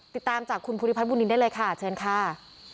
ติดตามจากคุณภูริพัฒนบุญนินได้เลยค่ะเชิญค่ะ